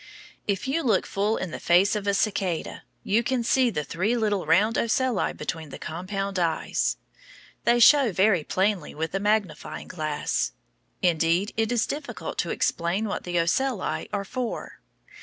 If you look full in the face of a cicada, you can see the three little round ocelli between the compound eyes. They show very plainly with a magnifying glass. Indeed, it is difficult to explain what the ocelli are for.